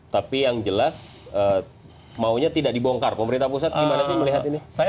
tapi yang jelas maunya tidak dibongkar pemerintah pusat gimana sih melihat ini